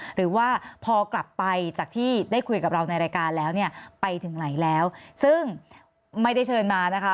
หรือว่าพอกลับไปจากที่ได้คุยกับเราในรายการแล้วเนี่ยไปถึงไหนแล้วซึ่งไม่ได้เชิญมานะคะ